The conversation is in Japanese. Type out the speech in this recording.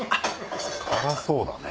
辛そうだね。